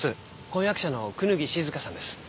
婚約者の椚静香さんです。